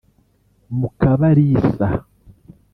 Mukabalisa